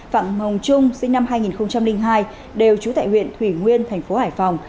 phạm hồng trung sinh năm hai nghìn hai đều trú tại huyện thủy nguyên thành phố hải phòng